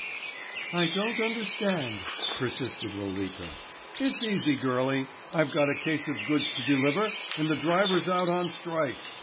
"I don't understand," persisted Lolita. "It's easy, girlie. I've got a case of goods to deliver and the drivers are out on strike.